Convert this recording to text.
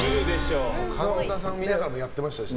神田さん見ながらもやってましたし。